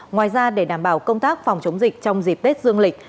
ngoài ra để đảm bảo công tác phòng chống dịch trong dịp tết dương lịch